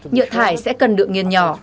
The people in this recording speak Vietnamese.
nhựa thải sẽ cần được nghiên nhỏ